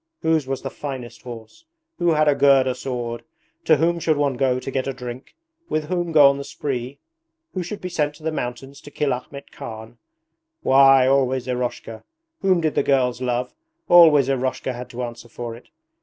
Whose was the finest horse? Who had a Gurda sword? To whom should one go to get a drink? With whom go on the spree? Who should be sent to the mountains to kill Ahmet Khan? Why, always Eroshka! Whom did the girls love? Always Eroshka had to answer for it.